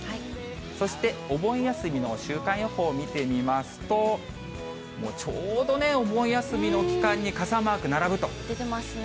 そして、お盆休みの週間予報を見てみますと、もうちょうどね、出てますね。